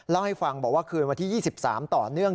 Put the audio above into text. เล่าให้ฟังบอกว่าคืนวันที่๒๓ต่อเนื่อง